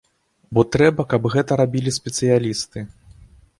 Бо трэба, каб гэта рабілі спецыялісты.